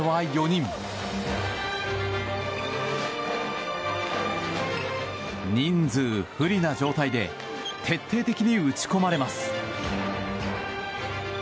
人数不利な状態で徹底的に打ち込まれます。